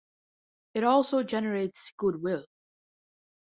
It also generates good will.